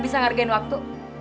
kamu udah hargain waktu